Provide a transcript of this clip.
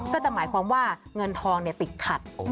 ก็จะหมายความว่าเงินทองติดขัด